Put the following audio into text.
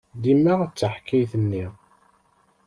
Dima d taḥkayt-nni.